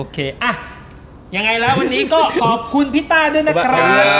ยังไงแล้ววันนี้ก็ขอบคุณพี่ต้าด้วยนะครับ